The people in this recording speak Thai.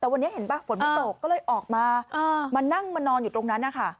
แต่วันนี้เห็นป่ะฝนมันตกก็เลยออกมามานั่งมานอนอยู่ตรงนั้นนะคะ